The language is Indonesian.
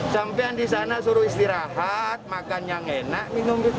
sampai yang di sana suruh istirahat makan yang enak minum minum